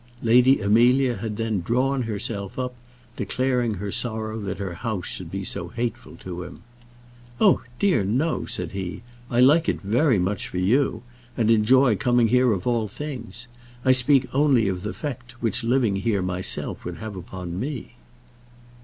Lady Amelia had then drawn herself up, declaring her sorrow that her house should be so hateful to him. "Oh, dear, no," said he. "I like it very much for you, and enjoy coming here of all things. I speak only of the effect which living here myself would have upon me."